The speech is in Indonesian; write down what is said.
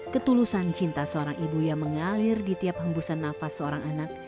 ketulusan cinta seorang ibu yang mengalir di tiap hembusan nafas seorang anak